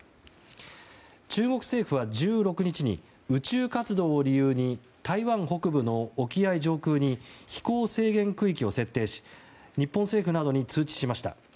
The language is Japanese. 中国政府は１６日に宇宙活動を理由に台湾北部の沖合上空に飛行制限区域を設定し日本政府などに通知しました。